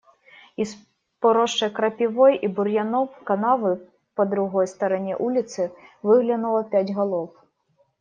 Из поросшей крапивой и бурьяном канавы по другой стороне улицы выглянуло пять голов.